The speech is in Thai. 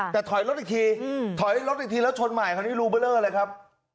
แต่ถอยรถอีกทีถอยรถอีกทีแล้วชนใหม่คันนี้รู้เมื่อเรื่องอะไรครับ